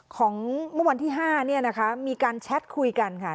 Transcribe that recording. ของเมื่อวันที่๕มีการแชทคุยกันค่ะ